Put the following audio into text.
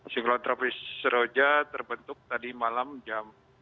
siklon tropis seroja terbentuk tadi malam jam